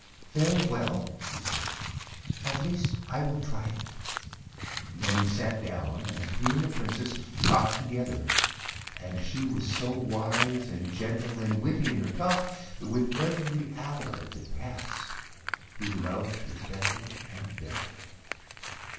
"Very well," he said, "at least I will try it." Then he sat down, and he and the Princess talked together, and she was so wise and gentle and witty in her talk that with every hour that passed he loved her better and better.